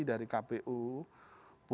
ini harusnya menjadi evaluasi dari kpu